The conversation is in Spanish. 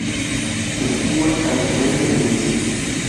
Se sitúa al sureste del municipio.